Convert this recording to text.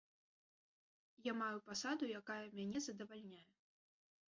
Я маю пасаду, якая мяне задавальняе.